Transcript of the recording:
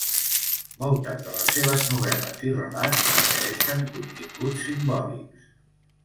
Moltes de les seves novel·les i relats posseeixen continguts simbòlics.